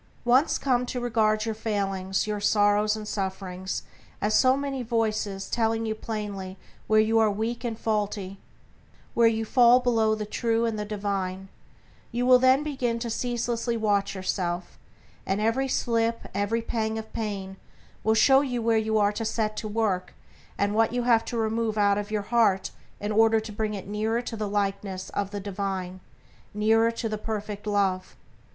Once come to regard your failings, your sorrows and sufferings as so many voices telling you plainly where you are weak and faulty, where you fall below the true and the divine, you will then begin to ceaselessly watch yourself, and every slip, every pang of pain will show you where you are to set to work, and what you have to remove out of your heart in order to bring it nearer to the likeness of the Divine, nearer to the Perfect Love.